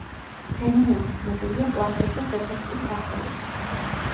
ფენომენი ცნობილია პლაცებოს ეფექტის სახელით.